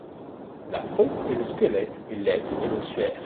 La faute est le squelette et l’être est l’ossuaire.